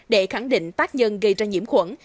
để khẳng định tác nhân gây ra nhiễm khuẩn